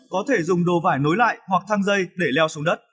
có thể dùng đồ vải nối lại hoặc thang dây để leo xuống đất